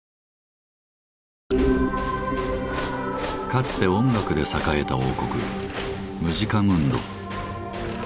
かつて音楽で栄えた王国「ムジカムンド」。